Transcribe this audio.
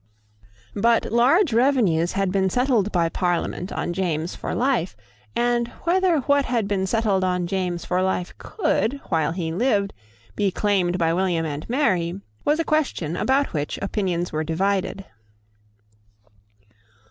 But large revenues had been settled by Parliament on James for life; and whether what had been settled on James for life could, while he lived, be claimed by William and Mary, was a question about which opinions were divided.